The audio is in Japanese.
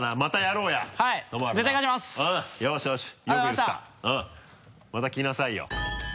また来なさいよ。